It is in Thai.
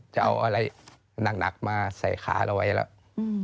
จะเอาอะไรหนักมาใส่ขาเราไว้แล้ว